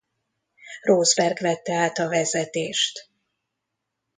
Rosberg vette át a vezetést.